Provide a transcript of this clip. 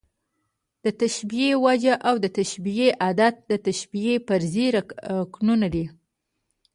د تشبېه وجه او د تشبېه ادات، د تشبېه فرعي رکنونه دي.